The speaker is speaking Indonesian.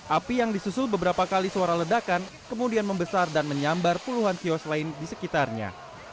api yang disusul beberapa kali suara ledakan kemudian membesar dan menyambar puluhan kios lain di sekitarnya